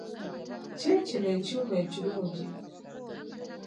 Kiikino ekyuma ekirungi.